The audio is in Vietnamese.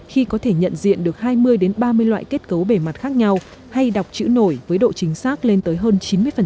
khi có thể nhận diện được hai mươi ba mươi loại kết cấu bề mặt khác nhau hay đọc chữ nổi với độ chính xác lên tới hơn chín mươi